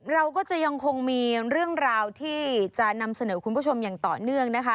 เราก็จะยังคงมีเรื่องราวที่จะนำเสนอคุณผู้ชมอย่างต่อเนื่องนะคะ